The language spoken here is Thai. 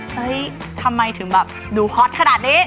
เฮ้ยทำไมถึงแบบดูฮอตขนาดนี้